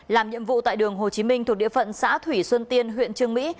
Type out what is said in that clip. làm nhiệm vụ tại đường hồ chí minh thuộc địa phận xã thủy xuân tiên huyện trương mỹ